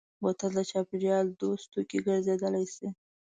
بوتل د چاپېریال دوست توکی ګرځېدای شي.